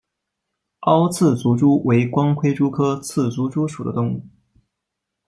凹刺足蛛为光盔蛛科刺足蛛属的动物。